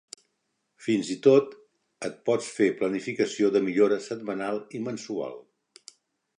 Fins i tot et pots fer planificació de millora setmanal i mensual.